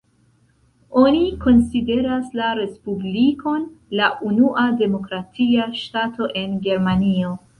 Oni konsideras la respublikon la unua demokratia ŝtato en Germanio.